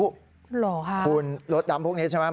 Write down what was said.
เหรอค่ะคุณรถดำพวกนี้ใช่ไหม